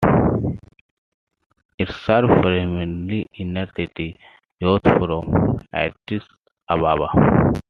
It served primarily inner city youths from Addis Ababa.